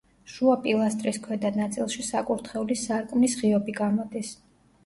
შუა პილასტრის ქვედა ნაწილში საკურთხევლის სარკმლის ღიობი გამოდის.